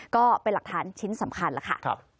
ก็เป็นหลักฐานชิ้นสำคัญแล้วค่ะ